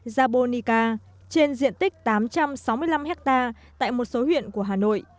jabonica trên diện tích tám trăm sáu mươi năm hectare tại một số huyện của hà nội